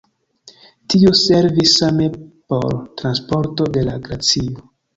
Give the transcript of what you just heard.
Tio servis same por transporto de la glacio.